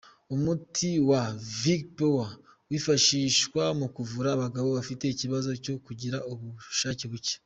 Umuti wa Vigpower wifashishwa mu kuvura abagabo bafite ikibazo cyo kugira ubushake buke.